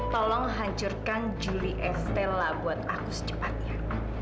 tolong hancurkan julie estella buat aku secepatnya